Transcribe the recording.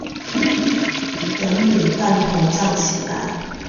等米飯膨脹起來